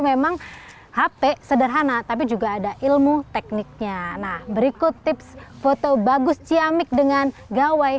memang hp sederhana tapi juga ada ilmu tekniknya nah berikut tips foto bagus ciamik dengan gawai